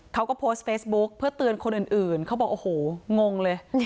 เขาก็โพสต์เฟซบุ๊คเพื่อเตือนคนอื่นเขาบอกโอ้โหงงเลย